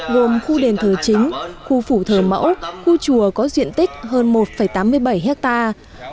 gồm khu đền thờ chính khu phủ thờ mẫu khu chùa có diện tích hơn một tám mươi bảy hectare